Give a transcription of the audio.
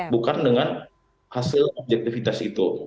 bukan dengan hasil objektivitas itu